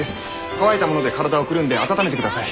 乾いたもので体をくるんで温めてください。